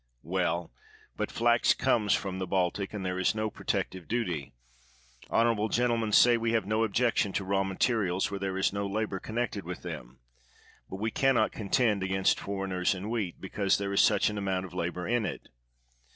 Well, but flax comes from the Baltic and there is no protective duty. Honorable gentlemen say we have no objection to raw materials where there is no labor con nected with them ; but we can not contend against foreigners in wheat, because there is such an amount of labor in it.